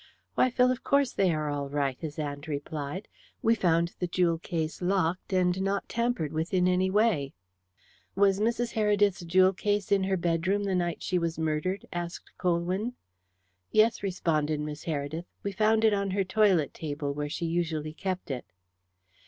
"Why, Phil, of course they are all right," his aunt replied. "We found the jewel case locked, and not tampered with in any way." "Was Mrs. Heredith's jewel case in her bedroom the night she was murdered?" asked Colwyn. "Yes," responded Miss Heredith. "We found it on her toilet table, where she usually kept it."